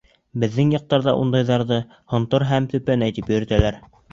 Беҙҙең яҡта ундайҙарҙы һонтор менән төпәнәй тип йөрөтәләр.